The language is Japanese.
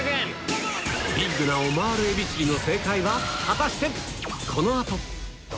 ビッグなオマール海老チリの正解は果たして？